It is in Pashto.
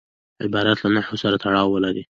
عبارت له نحو سره تړاو لري.